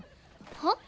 はっ？